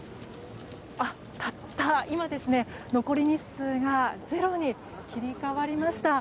たった今、残り日数がゼロに切り替わりました。